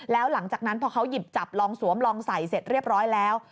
แล้วหลังจากนั้นพอเขาหยิบจับลองสวมลองใส่เสร็จเรียบร้อยแล้ว